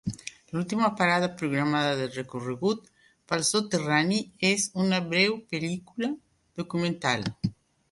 L'última parada programada del recorregut pel soterrani és una breu pel·lícula documental.